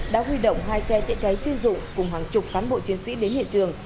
đã huy động hai xe chữa cháy thiêu dụ cùng hàng chục cán bộ chiến sĩ đến hiện trường